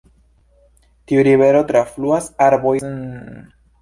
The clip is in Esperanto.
Tiu rivero trafluas Arbois-n.